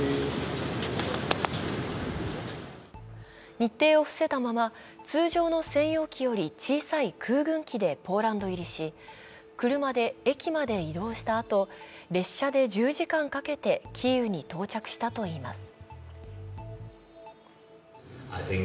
日程を伏せたまま、通常の専用機より小さい空軍機でポーランド入りし、車で駅まで移動したあと、列車で１０時間かけてキーウに到着したといいます。